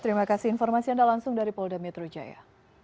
terima kasih informasi anda langsung dari polda metro jaya